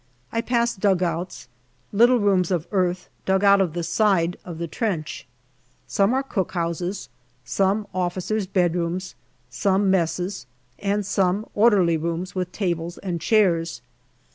I pass dugouts, little rooms of earth dug out of the side of the trench ; some are cook houses, some officers' bedrooms, some messes, and some orderly rooms, with tables and chairs.